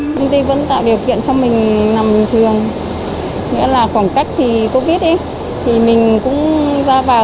công ty vẫn tạo điều kiện cho mình nằm bình thường nghĩa là khoảng cách thì covid thì mình cũng ra vào